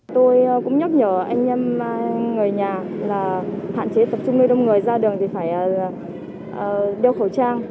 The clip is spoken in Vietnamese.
tôi cũng nhắc nhở anh em người nhà là hạn chế tập trung nơi đông người ra đường thì phải đeo khẩu trang